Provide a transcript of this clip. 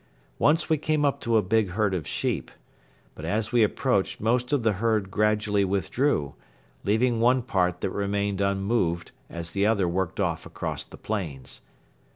Once we came up to a big herd of sheep. But as we approached most of the herd gradually withdrew, leaving one part that remained unmoved as the other worked off across the plains.